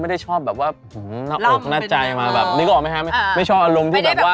ไม่ได้ชอบพวกเราองค์ทัศน์ชัย